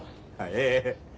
ええ。